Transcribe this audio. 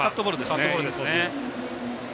カットボールですね。